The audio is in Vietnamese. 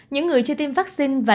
những người chưa tiêm vaccine và